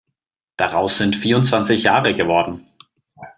Daraus sind vierundzwanzig Jahre geworden.